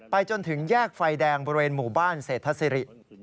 จนถึงแยกไฟแดงบริเวณหมู่บ้านเศรษฐศิริ